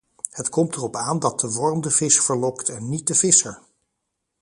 Het komt erop aan dat de worm de vis verlokt en niet de visser!